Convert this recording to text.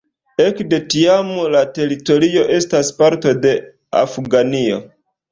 Ekde tiam la teritorio estas parto de Afganio.